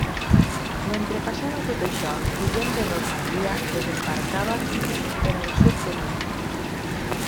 Mentre passava tot això, Guillem de Normandia desembarcava en el sud de l'illa.